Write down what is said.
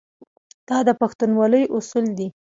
دا د پښتونولۍ اصول دي.